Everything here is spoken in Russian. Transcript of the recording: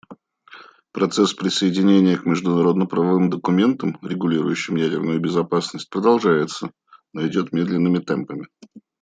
Процесс присоединения к международно-правовым документам, регулирующим ядерную безопасность, продолжается, но идет медленными темпами.